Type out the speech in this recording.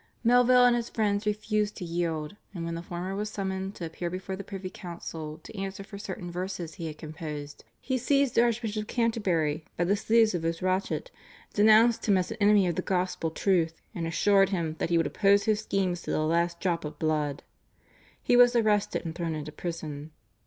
Melville and his friends refused to yield, and when the former was summoned to appear before the privy council to answer for certain verses he had composed, he seized the Archbishop of Canterbury by the sleeves of his rochet, denounced him as an enemy of the gospel truth, and assured him that he would oppose his schemes to the last drop of blood. He was arrested and thrown into prison.